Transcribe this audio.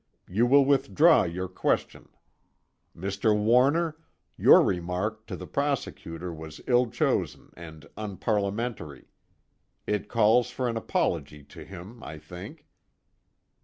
You will withdraw your question. Mr. Warner, your remark to the prosecutor was ill chosen and unparliamentary. It calls for an apology to him, I think."